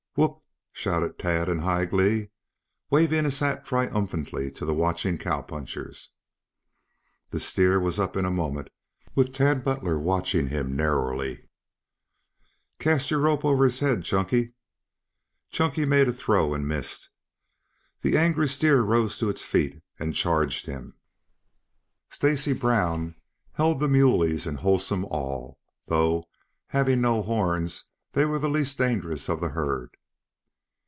"Whoop!" shouted Tad in high glee, waving his hat triumphantly to the watching cowpunchers. The steer was up in a moment, with Tad Butler watching him narrowly. "Cast your rope over his head, Chunky." Chunky made a throw and missed. The angry steer rose to its feet and charged him. Stacy Brown held the muleys in wholesome awe, though, having no horns, they were the least dangerous of the herd.